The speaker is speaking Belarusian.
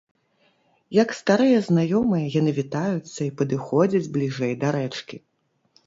Як старыя знаёмыя яны вітаюцца і падыходзяць бліжэй да рэчкі.